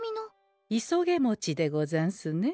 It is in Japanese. いそげもちでござんすね。